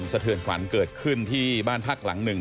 สเทือนขวานเกิดขึ้นที่บ้านพรรคหลังนึง